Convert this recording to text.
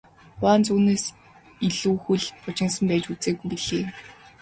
Гуанз үүнээс илүү хөл бужигнасан байж үзээгүй билээ.